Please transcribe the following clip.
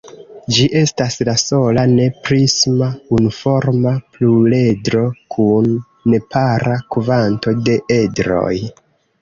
Ĝi estas la sola ne-prisma unuforma pluredro kun nepara kvanto de edroj.